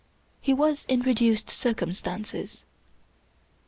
He was in reduced circumstances.